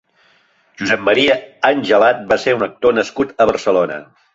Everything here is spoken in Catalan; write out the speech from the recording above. Josep Maria Angelat va ser un actor nascut a Barcelona.